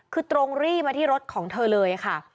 คือตรงรี่มาที่รถของเธอเลยค่ะ